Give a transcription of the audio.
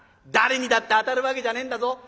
誰にだって当たるわけじゃねえんだぞ。